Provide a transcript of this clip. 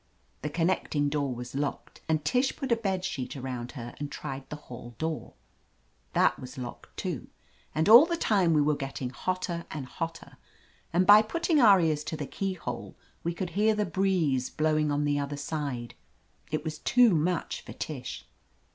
The connecting door was locked, and Tish put a bed sheet around her and tried the hall door. That was locked, too. And all the time we were getting hotter and hotter, and by putting our ears to the keyhole we could hear the breeze blowing on the other side. It was too much for Tish.